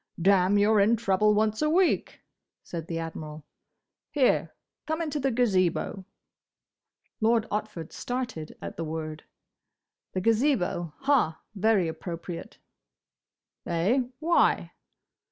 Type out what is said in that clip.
"Damme! you're in trouble once a week!" said the Admiral. "Here! Come into the Gazebo." Lord Otford started at the word. "The Gazebo?—Ha! Very appropriate!" "Eh? Why?"